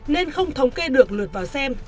nên không thống kê được lượt vào xem